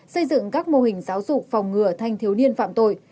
xây dựng các mô hình giáo dục phòng ngừa thanh thiếu niên phạm tội